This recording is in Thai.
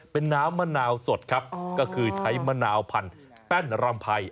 เป็นน้ำมะนาวสดครับก็คือใช้มะนาวพันแป้นรำไพร